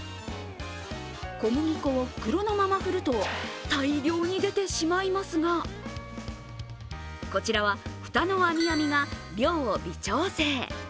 小麦粉を袋のままふると大量に出てしまいますがこちらは、蓋のアミアミが量を微調整。